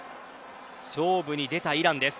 勝負に出たイランです。